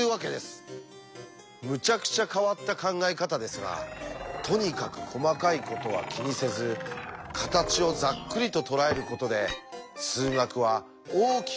むちゃくちゃ変わった考え方ですがとにかく細かいことは気にせず形をざっくりととらえることで数学は大きく発展したんだそうです。